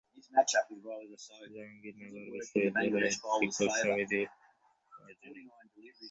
জাহাঙ্গীরনগর বিশ্ববিদ্যালয়ের শিক্ষক সমিতির কার্যনির্বাহী পরিষদ থেকে পদত্যাগের ঘোষণা দিয়েছেন তিনজন শিক্ষক।